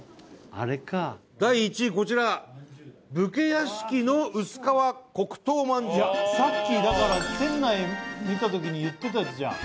あれか第１位こちら武家屋敷の薄皮黒糖まんじゅうさっきだから店内見た時に言ってたやつじゃん